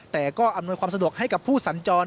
แต่ก็อำนวยความสะดวกให้กับผู้สัญจร